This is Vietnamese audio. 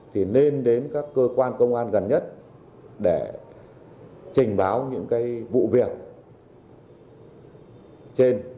thì nên đến các cơ quan công an gần nhất để trình báo những cái vụ việc trên